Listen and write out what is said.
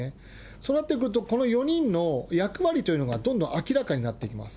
そうなってくると、この４人の役割というのがどんどん明らかになってきます。